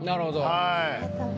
はい。